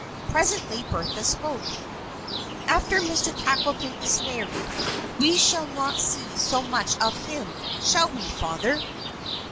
Presently Bertha spoke. "After Mr. Tackleton is married, we shall not see so much of him, shall we, Father?"